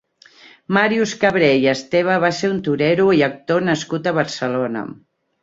Màrius Cabré i Esteve va ser un torero i actor nascut a Barcelona.